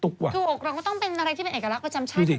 ถูกอกเราก็ต้องเป็นอะไรที่เป็นเอกลักษณ์ประจำชาติจริง